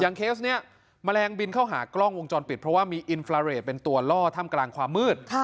เคสนี้แมลงบินเข้าหากล้องวงจรปิดเพราะว่ามีอินฟราเรทเป็นตัวล่อถ้ำกลางความมืด